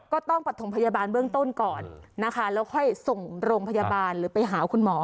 ก็ต้องประถมพยาบาลเบื้องต้นก่อนนะคะแล้วค่อยส่งโรงพยาบาลหรือไปหาคุณหมอ